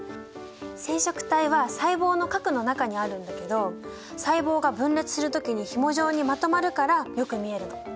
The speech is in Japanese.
染色体は細胞の核の中にあるんだけど細胞が分裂する時にひも状にまとまるからよく見えるの。